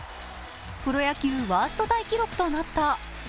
プロ野球ワーストタイ記録となった。